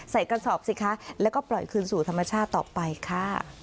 กระสอบสิคะแล้วก็ปล่อยคืนสู่ธรรมชาติต่อไปค่ะ